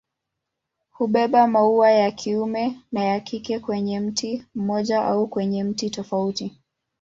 Hubeba maua ya kiume na ya kike kwenye mti mmoja au kwenye miti tofauti.